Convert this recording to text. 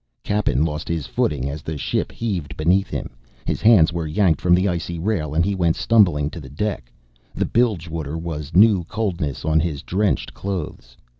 Cappen lost his footing as the ship heaved beneath him, his hands were yanked from the icy rail and he went stumbling to the deck. The bilge water was new coldness on his drenched clothes.